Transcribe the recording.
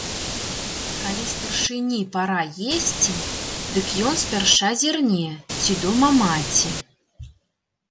Калі старшыні пара есці, дык ён спярша зірне, ці дома маці.